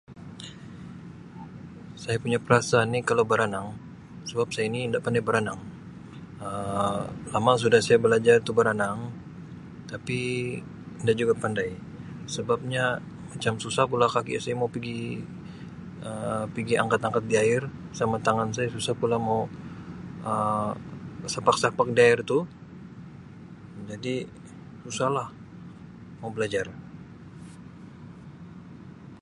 Saya punya perasaan ni kalau baranang sebab saya ni inda pandai baranang Um lama sudah saya belajar tu baranang tapi inda juga pandai sebabnya macam susah pula kaki saya mau pigi Um pigi angkat-angkat di air, sama tangan saya susah pula mau Um sapak-sapak di air tu jadi susahlah mau belajar.